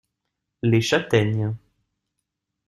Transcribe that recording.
Les châtaignes.